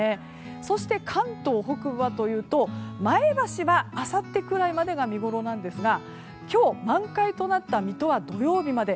そして関東北部は前橋はあさってくらいまでが見ごろなんですが今日満開となった水戸は土曜日まで。